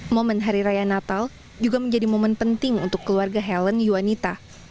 momen hari raya natal juga menjadi momen penting untuk keluarga helen yuanita